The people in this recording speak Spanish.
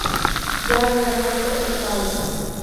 Ya había muerto el padre.